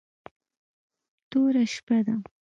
توره شپه ده .